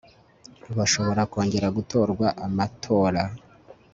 bashobora kongera gutorwa amatora